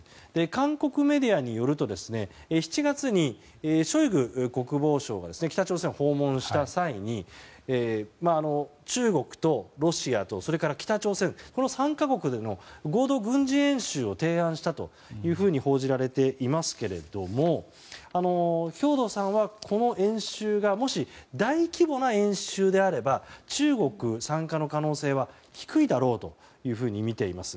韓国メディアによりますと７月にショイグ国防相が北朝鮮を訪問した際に中国とロシアとそれから北朝鮮この３か国での合同軍事演習を提案したと報じられていますが兵頭さんは、この演習がもし大規模な演習であれば中国参加の可能性は低いだろうとみています。